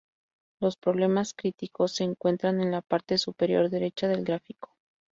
Los problemas críticos se encuentran en la parte superior derecha del gráfico.